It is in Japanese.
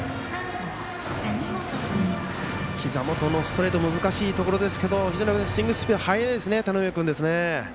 ひざ元のストレート難しいところですけど非常にスイングスピードが速いですね、田上君。